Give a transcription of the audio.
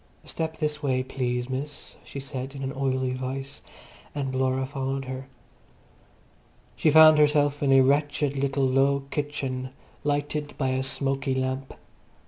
"Step this way, please, miss," she said in an oily voice, and Laura followed her. She found herself in a wretched little low kitchen, lighted by a smoky lamp.